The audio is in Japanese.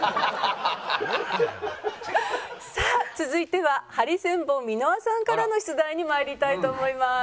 さあ続いてはハリセンボン箕輪さんからの出題に参りたいと思います。